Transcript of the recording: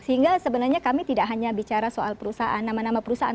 sehingga sebenarnya kami tidak hanya bicara soal perusahaan nama nama perusahaan